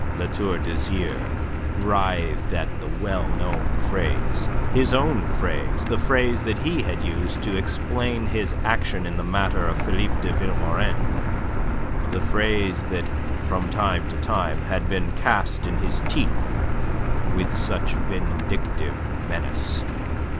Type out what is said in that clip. La Tour d'Azyr writhed at the well known phrase his own phrase the phrase that he had used to explain his action in the matter of Philippe de Vilmorin, the phrase that from time to time had been cast in his teeth with such vindictive menace.